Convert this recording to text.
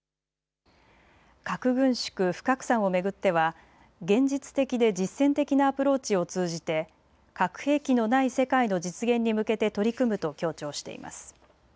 核軍縮・不拡散を巡っては現実的で実践的なアプローチを通じて核兵器のない世界の実現に向けて取り組むと強調しています。